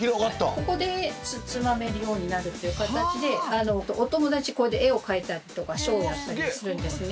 ここでつまめるようになるっていう形でお友達これで絵を描いたりとかショーをやったりするんですね。